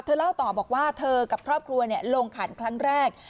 เล่าต่อบอกว่าเธอกับครอบครัวลงขันครั้งแรก